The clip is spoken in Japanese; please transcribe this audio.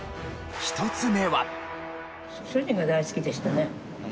１つ目は。